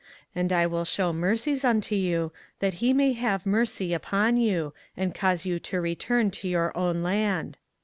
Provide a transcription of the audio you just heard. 24:042:012 And I will shew mercies unto you, that he may have mercy upon you, and cause you to return to your own land.